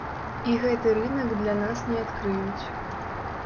І гэты рынак для нас не адкрыюць.